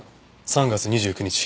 ３月２９日